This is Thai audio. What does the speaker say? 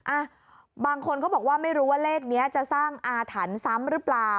อ่ะบางคนก็บอกว่าไม่รู้ว่าเลขนี้จะสร้างอาถรรพ์ซ้ำหรือเปล่า